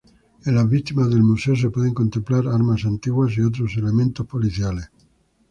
En las vitrinas del museo se pueden contemplar armas antiguas, y otros elementos policiales.